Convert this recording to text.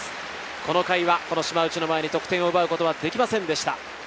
この回は島内の前に得点を奪うことはできませんでした。